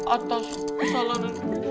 atas kesalahan gue